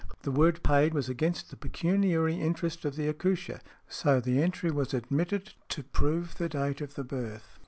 The word "Paid" was against the pecuniary interest of the accoucheur, so the entry was admitted to prove the date of the birth .